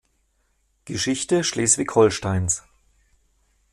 Geschichte Schleswig-Holsteins.